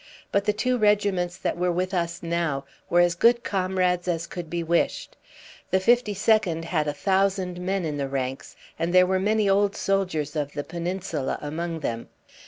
But the two regiments that were with us now were as good comrades as could be wished. The 52nd had a thousand men in the ranks, and there were many old soldiers of the Peninsula among them.